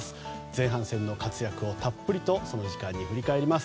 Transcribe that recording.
前半戦の活躍をたっぷりと振り返ります。